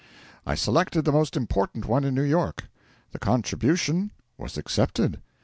I selected the most important one in New York. The contribution was accepted.